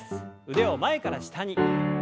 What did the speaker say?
腕を前から下に。